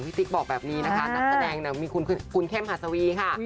ติ๊กบอกแบบนี้นะคะนักแสดงมีคุณเข้มหัสวีค่ะ